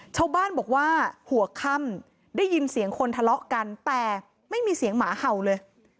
ชาวบ้านบอกว่าหัวค่ำได้ยินเสียงคนทะเลาะกันแต่ไม่มีเสียงหมาเห่าเลย